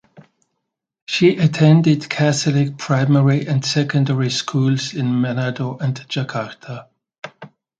She attended catholic primary and secondary schools in Manado and Jakarta.